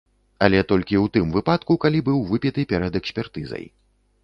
Але толькі у тым выпадку, калі быў выпіты перад экспертызай.